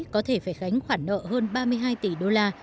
có thể phải gánh khoản nợ hơn ba mươi hai tỷ đô la